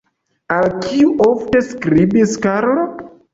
Al kiu ofte skribis Karlo?